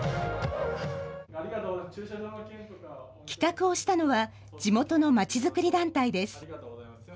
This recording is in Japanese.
企画をしたのは、地元の街づくり団体です。